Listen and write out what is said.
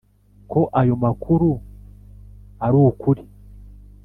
ko ayo makuru arukuri